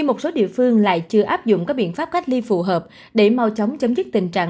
một số địa phương lại chưa áp dụng các biện pháp cách ly phù hợp để mau chóng chấm dứt tình trạng